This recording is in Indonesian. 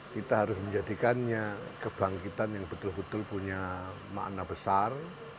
kita harus menjadikannya kebangkitan yang betul betul punya makna besar